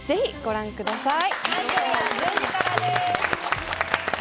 ぜひご覧ください。